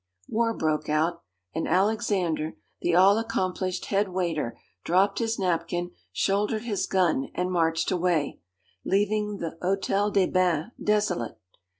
War broke out, and Alexandre, the all accomplished head waiter, dropped his napkin, shouldered his gun, and marched away, leaving the Hôtel des Bains desolate.